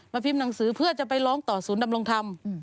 พิมพ์หนังสือเพื่อจะไปร้องต่อศูนย์ดำรงธรรม